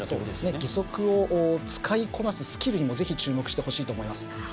義足を使いこなすスキルにも、ぜひ注目していただきたいと思います。